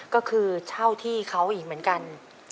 ก็คือเช่าที่เขาอีกเหมือนกัน